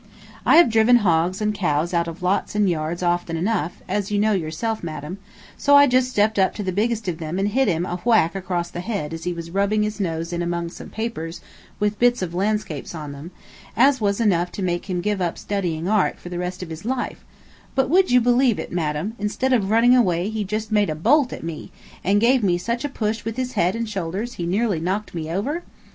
I have driven hogs and cows out of lots and yards often enough, as you know yourself, madam, so I just stepped up to the biggest of them and hit him a whack across the head as he was rubbing his nose in among some papers with bits of landscapes on them, as was enough to make him give up studying art for the rest of his life; but would you believe it, madam, instead of running away he just made a bolt at me, and gave me such a push with his head and shoulders he nearly knocked me over?